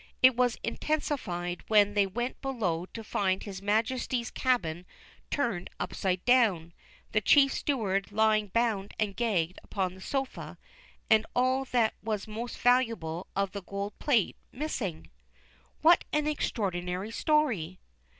It was intensified when they went below to find his Majesty's cabin turned upside down, the chief steward lying bound and gagged upon the sofa, and all that was most valuable of the gold plate missing." "What an extraordinary story!"